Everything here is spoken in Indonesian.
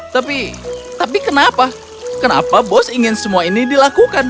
tapi tapi kenapa kenapa bos ingin semua ini dilakukan